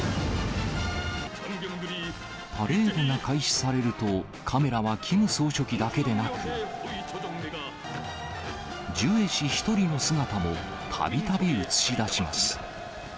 パレードが開始されると、カメラはキム総書記だけでなく、ジュエ氏１人の姿もたびたび映し出します。